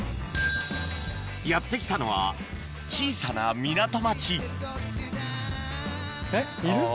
やって来たのは小さな港町えっいる？